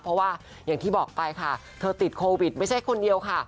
เพราะว่าอย่างที่บอกไปค่ะเธอติดโควิดไม่ใช่คนเดียวค่ะ